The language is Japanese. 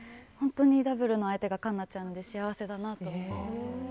本当にダブルの相手が環奈ちゃんで、幸せだなって。